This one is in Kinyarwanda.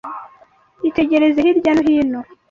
Itegereze hirya no hino